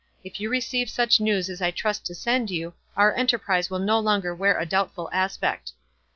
If you receive such news as I trust to send you, our enterprise will no longer wear a doubtful aspect.